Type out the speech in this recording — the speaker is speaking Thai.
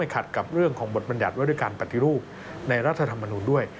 ขัดกับเรื่องของบทบรรยัติว่าด้วยการปฏิรูปในรัฐธรรมนุนด้วย